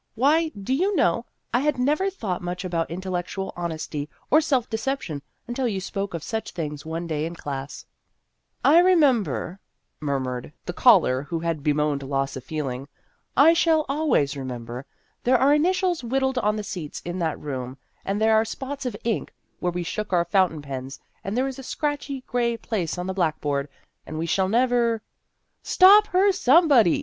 Why, do you know, I had never thought much about intellectual honesty or self deception, until you spoke of such things one day in class." " I remember," murmured the caller 230 Vassar Studies who had bemoaned loss of feeling ;" I shall always remember. There are initials whittled on the seats in that room, and there are spots of ink where we shook our fountain pens, and there is a scratchy gray place on the blackboard, and we shall never " Stop her, somebody